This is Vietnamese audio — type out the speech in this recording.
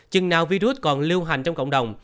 chừng nào virus còn lưu hành trong cộng đồng